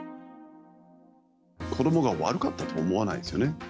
子どもが悪かったとは思わないですよね。